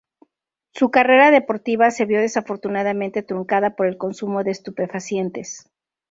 Su carrera deportiva se vio desafortunadamente truncada por el consumo de estupefacientes.